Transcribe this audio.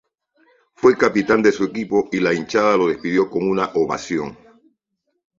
Fue capitán de su equipo y la hinchada lo despidió con una ovación.